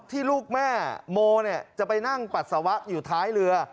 ที่ลูกแม่โมจะไปนั่งปัสสาวะอยู่ท้ายเรือ